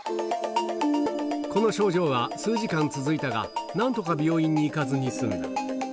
この症状は数時間続いたが、なんとか病院に行かずに済んだ。